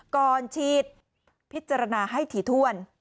ก่อนฉีดพิจารณาให้ถี่ถ้วน